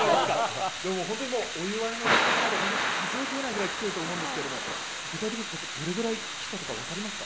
お祝いの連絡など数え切れないぐらい来てると思うんですけれども、どれくらい来たとかわかりますか？